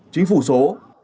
chính phủ số